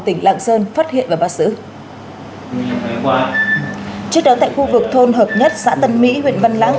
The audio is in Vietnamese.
tỉnh lạng sơn phát hiện và bắt xử trước đó tại khu vực thôn hợp nhất xã tân mỹ huyện văn lãng